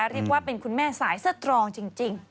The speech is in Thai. รินว่าเป็นคนแม่สายสุดความเสร็จจริง